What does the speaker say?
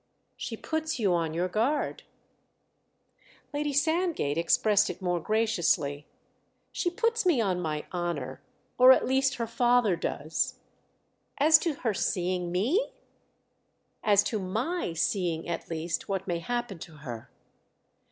"She puts you on your guard." Lady Sandgate expressed it more graciously. "She puts me on my honour—or at least her father does." "As to her seeing me" "As to my seeing at least—what may happen to her."